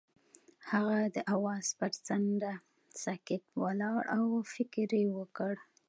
هغه د اواز پر څنډه ساکت ولاړ او فکر وکړ.